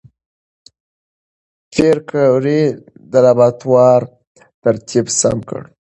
پېیر کوري د لابراتوار ترتیب سم کړ.